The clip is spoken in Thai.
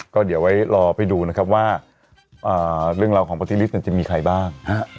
ก็เดี๋ยวไว้ลองไปดูนะครับว่าเรื่องของประติฤฤษภ์มีใครบ้าง